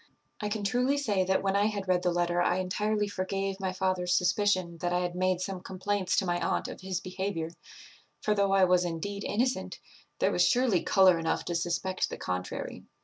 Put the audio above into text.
"I can truly say that when I had read the letter I entirely forgave my father's suspicion that I had made some complaints to my aunt of his behaviour; for, though I was indeed innocent, there was surely colour enough to suspect the contrary.